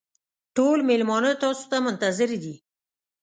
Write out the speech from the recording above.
ټول مېلمانه تاسو ته منتظر دي.